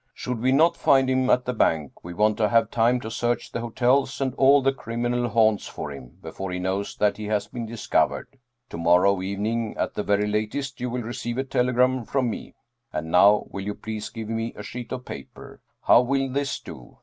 Should we not find him at the bank, we want to have time to search the hotels and all the criminal haunts for him, before he knows that he has been discovered. To morrow evening at the very latest you will receive a telegram from me. And now, will you please give me a sheet of paper? How will this do?